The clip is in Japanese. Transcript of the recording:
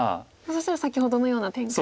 そしたら先ほどのような展開に。